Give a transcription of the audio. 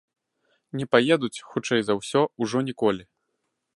Не паедуць, хутчэй за ўсё, ужо ніколі.